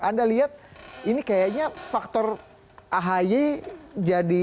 anda lihat ini kayaknya faktor ahy jadi